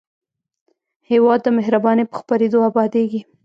هېواد د مهربانۍ په خپرېدو ابادېږي.